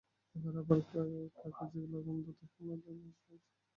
এবার আবার কাজের লাগাম ধরতে সমতলে ফিরে যাচ্ছি।